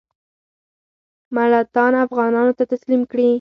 ملتان افغانانو ته تسلیم کړي.